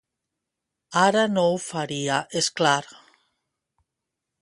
Ara no ho faria, és clar.